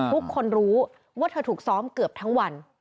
ทุกคนรู้ว่าเธอถูกซ้อมเกือบทั้งวัน